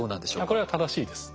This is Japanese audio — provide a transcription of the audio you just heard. これは正しいです。